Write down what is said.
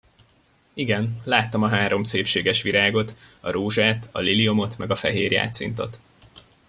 Igen, láttam a három szépséges virágot, a rózsát, a liliomot meg a fehér jácintot!